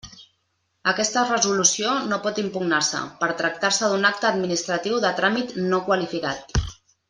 Aquesta resolució no pot impugnar-se, per tractar-se d'un acte administratiu de tràmit no qualificat.